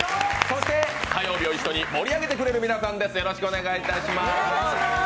そして火曜日を一緒に盛り上げてくれる皆さんです。